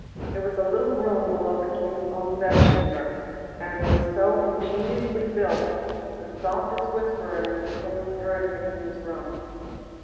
It was a little room below the King's own bed chamber, and was so ingeniously built that the softest whisper in it was plainly heard in the King's room.